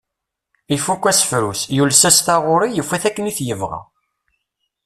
Ifukk asefru-s, yules-as taɣuri, yufa-t akken i t-yebɣa.